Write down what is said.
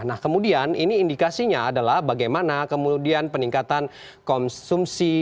nah kemudian ini indikasinya adalah bagaimana kemudian peningkatan konsumsi